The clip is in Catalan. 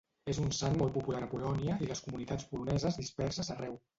És un sant molt popular a Polònia i les comunitats poloneses disperses arreu.